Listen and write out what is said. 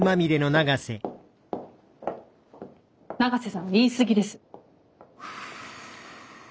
永瀬さん言い過ぎです！